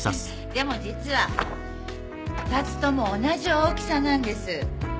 でも実は２つとも同じ大きさなんです。